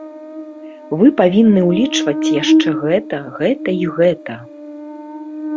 Вы павінны ўлічваць яшчэ гэта, гэта і гэта!